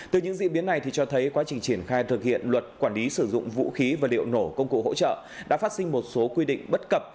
từ những diễn biến này cho thấy quá trình triển khai thực hiện luật quản lý sử dụng vũ khí và liệu nổ công cụ hỗ trợ đã phát sinh một số quy định bất cập